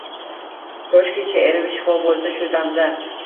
Koshki she’rim shifo bo’lsa shu damda